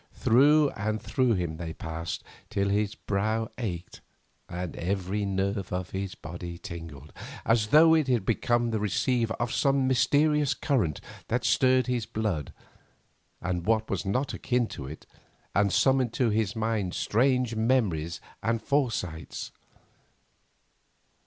Through and through him they passed till his brow ached, and every nerve of his body tingled, as though it had become the receiver of some mysterious current that stirred his blood with what was not akin to it, and summoned to his mind strange memories and foresights.